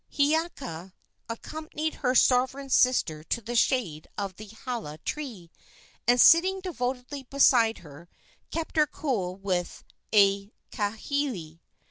Hiiaka accompanied her sovereign sister to the shade of the hala tree, and, sitting devotedly beside her, kept her cool with a kahili.